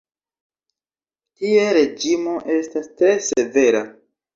Tie reĝimo estas tre severa.